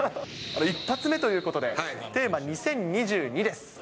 一発目ということで、テーマ、２０２２です。